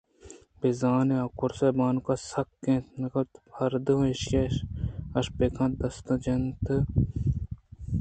بِہ زاں آکُروسءِبانگءَ سگّ اِت نہ کنتءُ ہردیں ایشی ءَ اِش بہ کنت دستاں تُکّ جنت ءُ تچیت